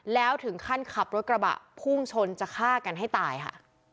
แล้วถึงขั้นขับรถกระบะพุ่งชนจะฆ่ากันให้ตายค่ะ